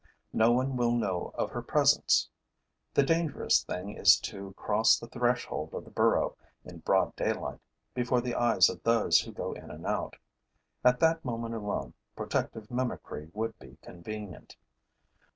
No one will know of her presence. The dangerous thing is to cross the threshold of the burrow in broad daylight, before the eyes of those who go in and out. At that moment alone, protective mimicry would be convenient.